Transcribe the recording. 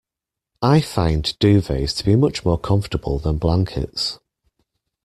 I find duvets to be much more comfortable than blankets